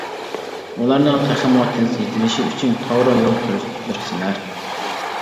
ئۇلارنىڭ تېخىمۇ تېز يېتىلىشى ئۈچۈن توغرا يول كۆرسىتىپ بېرىسىلەر.